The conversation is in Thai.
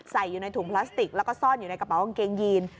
ใส่อยู่ในถุงพลาสติกแล้วก็ซ่อนอยู่ในกระเป๋ากางเกงยีน